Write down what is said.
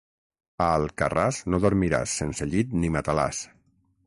A Alcarràs no dormiràs sense llit ni matalàs.